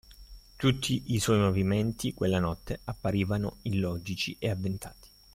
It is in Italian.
Tutti i suoi movimenti, quella notte, apparivano illogici e avventati;